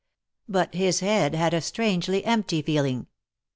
But his head had a strangely empty feeling.